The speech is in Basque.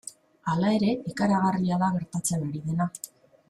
Hala ere, ikaragarria da gertatzen ari dena.